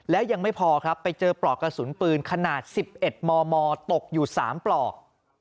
แล้วยังไม่พอครับไปเจอปลอกกระสุนปืนขนาด๑๑มมตกอยู่๓ปลอก